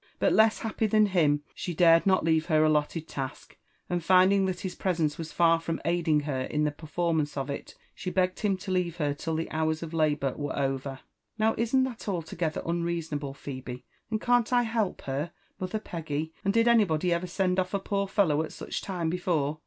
But, less happy than him, she dared not leave her allotted task, and finding that his presence was far from aiding her In the performance of it, she begged him to leave her till the hours of labour were over. " Now isn't that altogether unreasonable, Phebe? — and can't I help her, mother Peggy? — and did anybody ever send off a poor fellow at such time before?